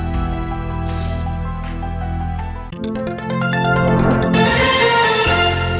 โปรดติดตามตอนต่อไป